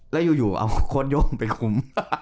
แล้วอยู่เอาโค้ดโย่งไปคุ้ม